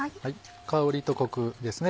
香りとコクですね